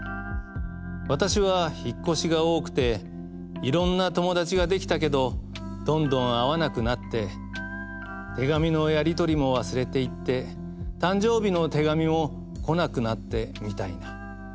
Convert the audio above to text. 私は引っ越しが多くていろんな友達が出来たけどどんどん会わなくなって手紙のやり取りも忘れていって誕生日の手紙も来なくなってみたいな。